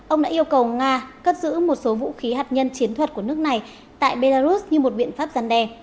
ông đã yêu cầu nga cất giữ một số vũ khí hạt nhân chiến thuật của nước này tại belarus như một biện pháp gian đe